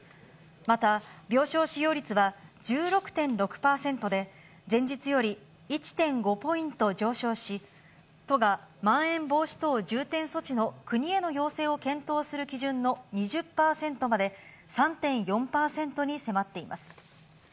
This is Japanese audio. また、病床使用率は１６．６％で、前日より１．５ポイント上昇し、都がまん延防止等重点措置の国への要請を検討する基準の２０％まで、３．４％に迫っています。